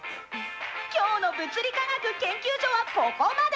「今日の『物理科学研究所』はここまで。